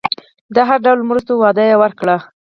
د هر ډول مرستو وعده ورکړي.